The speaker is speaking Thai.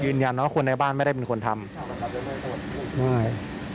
ยืนยันว่าคนในบ้านไม่ได้เป็นคนทำไม่